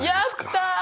やった！